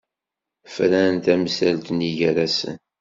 Fran tamsalt-nni gar-asen.